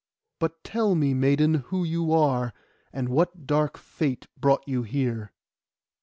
But tell me, maiden, who you are, and what dark fate brought you here.